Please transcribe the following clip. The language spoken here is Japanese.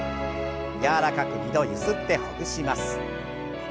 柔らかく２度ゆすってほぐします。